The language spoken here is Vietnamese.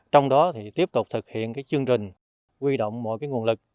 trong đó thì tiếp tục thực hiện cái chương trình quy động mọi cái nguồn lực